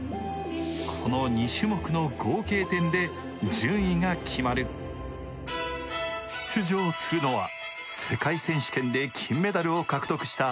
この２種目の合計点で順位が決まる出場するのは世界選手権で金メダルを獲得した